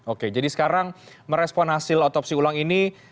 oke jadi sekarang merespon hasil otopsi ulang ini